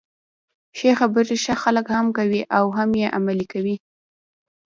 ښې خبري ښه خلک هم کوي او هم يې عملي کوي.